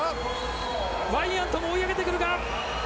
ワイアントも追い上げてくるか？